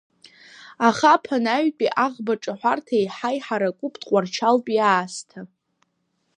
Аха ԥанаҩтәи Аӷбаҿаҳәарҭа еиҳа иҳаракуп тҟәарчалтәи аасҭа.